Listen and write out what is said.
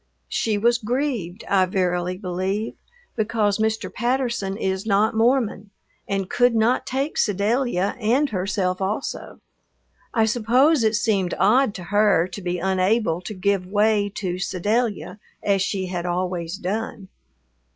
She was grieved, I verily believe, because Mr. Patterson is not Mormon and could not take Sedalia and herself also. I suppose it seemed odd to her to be unable to give way to Sedalia as she had always done.